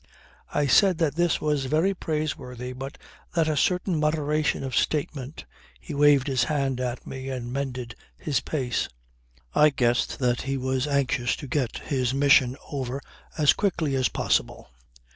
I said that this was very praiseworthy but that a certain moderation of statement ... He waved his hand at me and mended his pace. I guessed that he was anxious to get his mission over as quickly as possible.